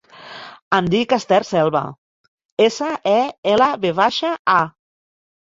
Em dic Esther Selva: essa, e, ela, ve baixa, a.